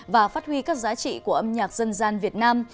và phát huy các giá trị của âm nhạc dân gian việt nam